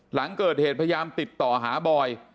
หลังเกิดเหตุพยายามติดต่อหาบอย